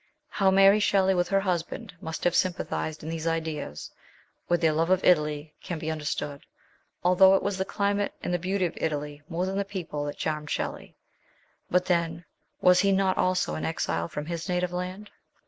How Mary Shelley, with her husband, must have sympathised in these ideas with their love of Italy can be understood, although it was the climate and beauty of Italy more than the people that charmed Shelley ; but then was he not also an exile from his native land